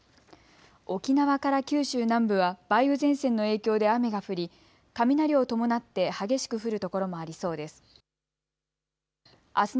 沖縄から九州南部は梅雨前線の影響で雨が降り雷を伴って激しく降る所もありそうです。